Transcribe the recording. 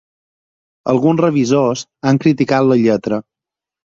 Alguns revisors han criticat la lletra.